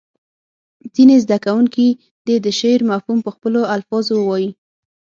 ځینې زده کوونکي دې د شعر مفهوم په خپلو الفاظو ووایي.